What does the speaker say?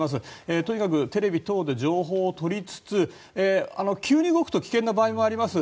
とにかくテレビなどで情報を取りつつ急に動くと危険な場合もあります。